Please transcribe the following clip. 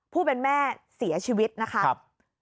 ผู้เป็นแม่เสียชีวิตนะครับ